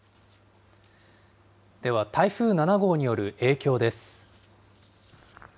では、台風７号による影響です。